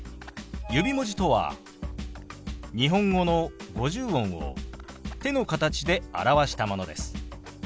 指文字とは日本語の五十音を手の形で表したものです。